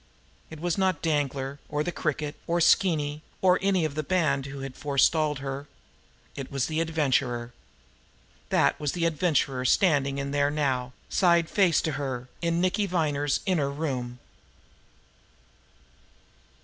It was not Danglar, or the Cricket, or Skeeny, or any of the band who had forestalled her it was the Adventurer. That was the Adventurer standing in there now, side face to her, in Nicky Viner's inner room!